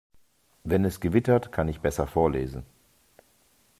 Wenn es gewittert, kann ich besser vorlesen.